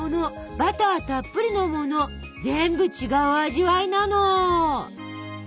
バターたっぷりのもの全部違う味わいなの！